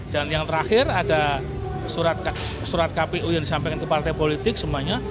dan yang terakhir ada surat kpu yang disampaikan ke partai politik semuanya